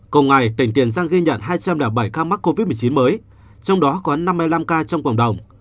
cùng ngày tỉnh tiền giang ghi nhận hai trăm linh bảy ca mắc covid một mươi chín mới trong đó có năm mươi năm ca trong cộng đồng